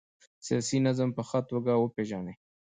سیاسي نظام په ښه توګه وپيژنئ.